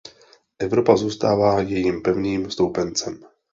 Evropa zůstává jejím pevným stoupencem.